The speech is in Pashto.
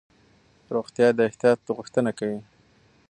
روغتیا د احتیاط غوښتنه کوي.